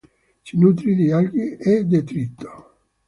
Si nutre di alghe e detrito.